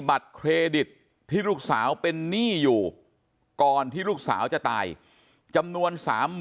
บัตรเครดิตที่ลูกสาวเป็นหนี้อยู่ก่อนที่ลูกสาวจะตายจำนวน๓๐๐๐